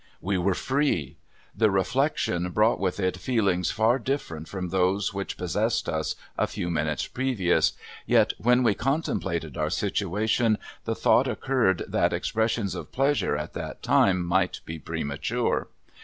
We were free! The reflection brought with it feelings far different from those which possessed us a few minutes previous, yet when we contemplated our situation the thought occurred that expressions of pleasure at that time might be premature.